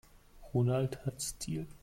Ronald hat Stil.